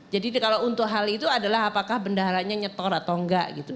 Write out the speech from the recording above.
jadi kalau untuk hal itu adalah apakah benda haranya nyetor atau enggak gitu